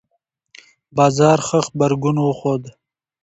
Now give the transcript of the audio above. بازار ښه غبرګون وښود.